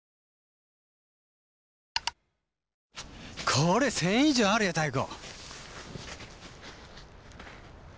これ１，０００以上あるよ妙子！